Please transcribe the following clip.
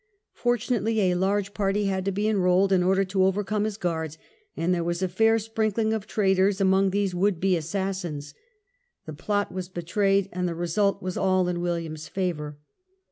Fortunately a large party had to be enrolled in order to overcome his guards, and there was a fair sprinkling of traitors among these would be assassins. The plot was betrayed, and the result was all in William's favour.